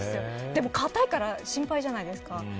でも、硬いから心配じゃないですか。